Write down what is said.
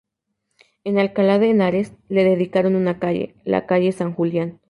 En Alcalá de Henares le dedicaron una calle, la Calle San Julián.